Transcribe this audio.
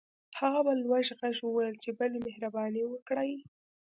هغه په لوړ غږ وويل چې بلې مهرباني وکړئ.